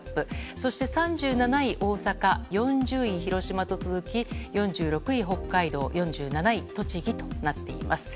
そして３７位、大阪４０位、広島と続き４６位、北海道４７位、栃木となっています。